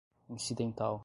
incidental